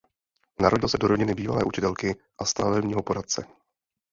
Narodil se do rodiny bývalé učitelky a stavebního poradce.